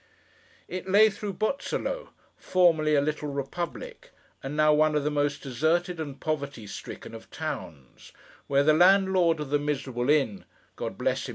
It lay through Bozzolo; formerly a little republic, and now one of the most deserted and poverty stricken of towns: where the landlord of the miserable inn (God bless him!